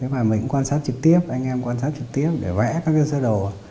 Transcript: và mình cũng quan sát trực tiếp anh em quan sát trực tiếp để vẽ các cái sơ đồ